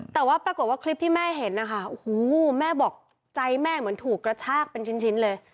แต่ว่าปรากฏว่าคลิปที่แม่เห็นนะคะโอ้โหแม่บอกใจแม่เหมือนถูกกระชากเป็นชิ้นเลย